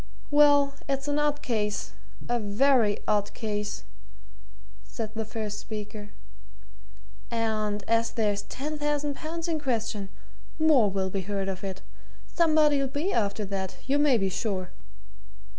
"Well it's an odd case a very odd case," said the first speaker. "And as there's ten thousand pounds in question, more will be heard of it. Somebody'll be after that, you may be sure!"